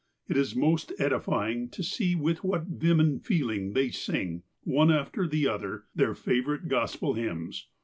It is most edifying to see with what vim and feel ing they sing, one after the other, their favourite Gospel hymns.